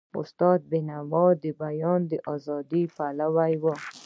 استاد بینوا د بیان د ازادی پلوی و.